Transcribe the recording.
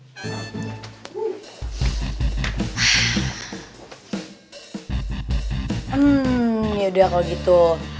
hmm yaudah kalau gitu